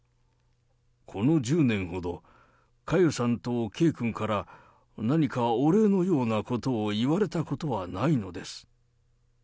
この１０年ほど、佳代さんと圭君から何かお礼のようなことを言われたことはないのです。